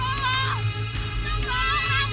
cepetan cepetan cepetan